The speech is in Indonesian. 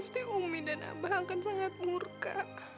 pasti umi dan abah akan sangat murka